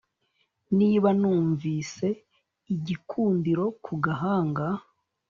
Niba numvise igikundiro ku gahanga